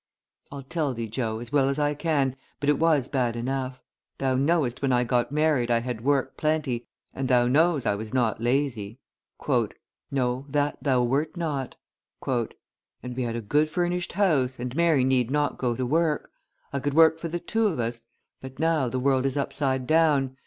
"I'll tell thee, Joe, as well as I can, but it was bad enough; thou knowest when I got married I had work plenty, and thou knows I was not lazy." "No, that thou wert not." "And we had a good furnished house, and Mary need not go to work. I could work for the two of us; but now the world is upside down.